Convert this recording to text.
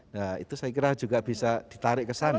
nah itu saya kira juga bisa ditarik ke sana